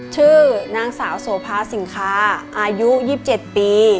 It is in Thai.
ชื่อนางสาวโสภาสิงคาอายุ๒๗ปี